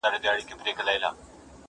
کرۍ ورځ به کړېدی د زوی له غمه!.